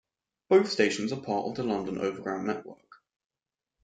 Both stations are part of the London Overground network.